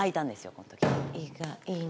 この時。